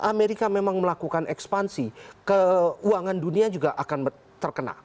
amerika memang melakukan ekspansi keuangan dunia juga akan terkena